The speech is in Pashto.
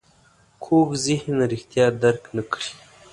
کوږ ذهن رښتیا درک نه کړي